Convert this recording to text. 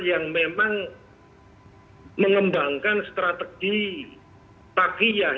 yang memang mengembangkan strategi takiyah